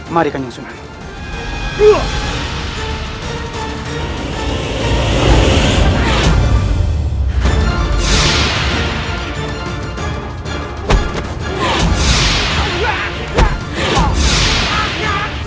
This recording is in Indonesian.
mari kanyung sumari